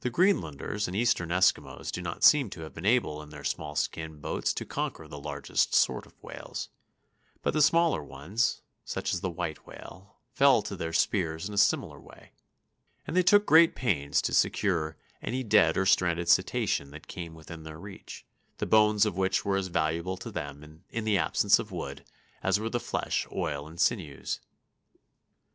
The Greenlanders and Eastern Eskimos do not seem to have been able in their small skin boats to conquer the largest sort of whales, but the smaller ones, such as the white whale, fell to their spears in a similar way; and they took great pains to secure any dead or stranded cetacean that came within their reach, the bones of which were as valuable to them, in the absence of wood, as were the flesh, oil, and sinews.